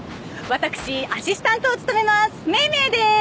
私アシスタントを務めます